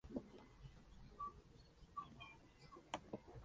Cursó estudios universitarios en la Universidad de Salamanca.